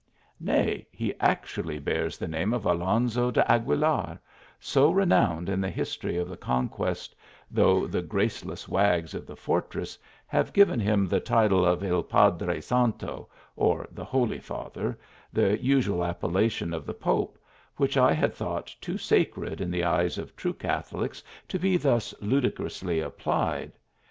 Nay, he actually bears the name of Alonzo de Aguilar, so renowned in the his tory of the conquest, though the graceless wags of the fortress have given him the title of el Padre Santo, or the Holy Father, the usual appellation of the pope, which I had thought too sacred in the eyes of true catholics to be thus ludicrously applied.